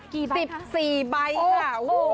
กี่ใบคะ๑๔ใบค่ะโอ้โหดีค่ะ